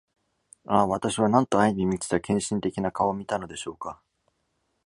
ああ、私は何と愛に満ちた献身的な顔を見たのでしょうか。